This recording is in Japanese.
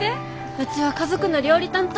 うちは家族の料理担当。